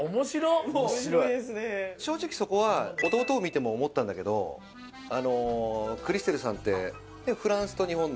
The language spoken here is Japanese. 正直そこは弟を見ても思ったんだけどクリステルさんってフランスと日本の。